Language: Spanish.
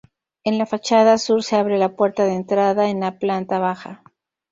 En la fachada sur se abre la puerta de entrada en la planta baja.